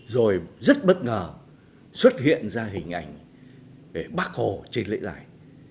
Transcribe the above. rồi rất bất ngờ xuất hiện ra hình ảnh về bác hồ trên lễ đài